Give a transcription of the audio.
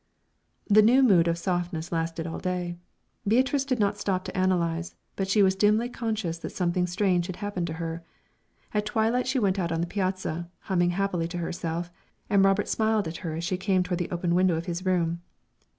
The new mood of softness lasted all day. Beatrice did not stop to analyse, but she was dimly conscious that something strange had happened to her. At twilight she went out on the piazza, humming happily to herself, and Robert smiled at her as she came toward the open window of his room.